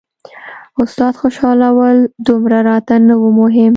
استاد خوشحالول دومره راته نه وو مهم.